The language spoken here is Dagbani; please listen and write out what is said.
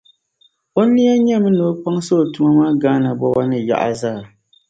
O niya nyɛmi ni o kpaŋsi bi tuma maa, Ghana boba ni yaɣa zaa.